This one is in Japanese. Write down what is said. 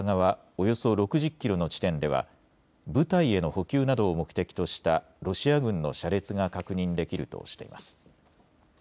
およそ６０キロの地点では部隊への補給などを目的としたロシア軍の車列が確認できるとしています。